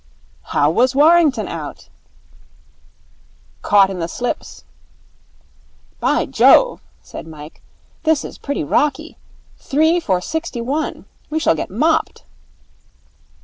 'How was Warrington out?' 'Caught in the slips.' 'By Jove!' said Mike. 'This is pretty rocky. Three for sixty one. We shall get mopped.'